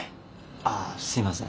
あすいません。